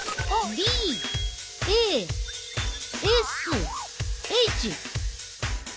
「ＤＡＳＨ」！